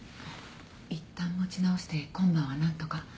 いったん持ち直して今晩は何とか。